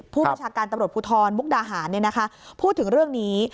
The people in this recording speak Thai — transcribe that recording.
ผู้บัญชาการตำรวจภูทรมุกดาหารพูดถึงเรื่องนี้